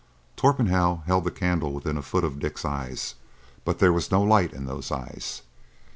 Torpenhow held the candle within a foot of Dick's eyes, but there was no light in those eyes.